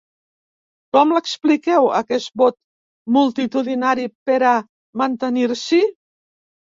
Com l’expliqueu, aquest vot multitudinari per a mantenir-s’hi?